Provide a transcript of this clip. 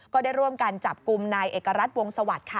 ก็ได้ร่วมกันจับกลุ่มนายเอกรัฐวงสวัสดิ์ค่ะ